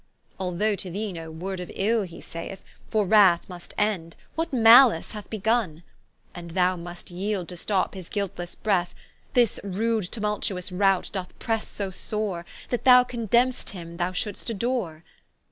Although to thee no word of ill he saith: For wrath must end, what Malice hath begunne, And thou must yeeld to stop his guiltlesse breath: This rude tumultous rout doth presse so sore, That thou condemnest him thou should'st adore.